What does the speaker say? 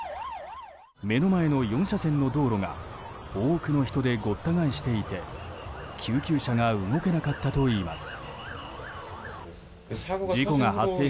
目の前の４車線の道路が多くの人でごった返していて救急車が動けなかったといいます。